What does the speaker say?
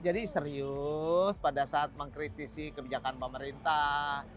jadi serius pada saat mengkritisi kebijakan pemerintah